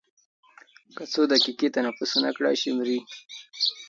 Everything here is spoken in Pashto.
که څو دقیقې تنفس ونه کړای شي مري.